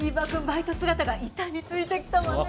バイト姿が板についてきたわね。